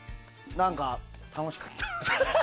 何か、楽しかった。